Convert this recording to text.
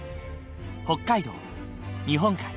北海道日本海